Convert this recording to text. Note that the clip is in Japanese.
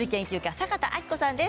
坂田阿希子さんです。